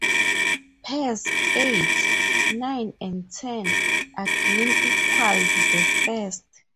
Pairs eight, nine and ten again equalled the first.